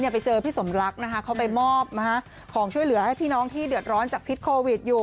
ไปเจอพี่สมรักนะคะเขาไปมอบของช่วยเหลือให้พี่น้องที่เดือดร้อนจากพิษโควิดอยู่